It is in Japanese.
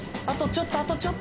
あとちょっと！